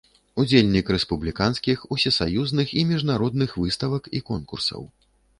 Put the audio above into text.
Удзельнік рэспубліканскіх, усесаюзных і міжнародных выставак і конкурсаў.